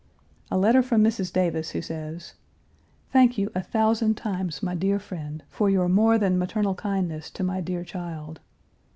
A letter from Mrs. Davis, who says: "Thank you, a thousand times, my dear friend, for your more than maternal kindness to my dear child."